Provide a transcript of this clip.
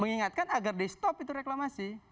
mengingatkan agar di stop itu reklamasi